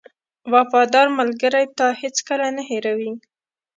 • وفادار ملګری تا هېڅکله نه هېروي.